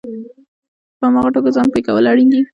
په هغو ټکو ځان پوه کول اړین دي